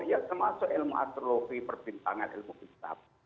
ya termasuk ilmu astrologi perbintangan ilmu hisap